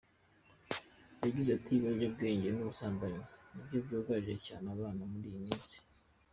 Yagize ati “Ibiyobyabwenge n’ubusambanyi ni byo byugarije cyane abana muri iyi minsi.